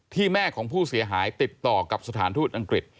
แม่ของผู้เสียหายติดต่อกับสถานทูตอังกฤษ